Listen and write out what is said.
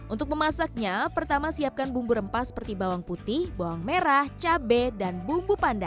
untuk memasaknya pertama siapkan bumbu rempah seperti bawang putih bawang merah cabai dan bumbu panda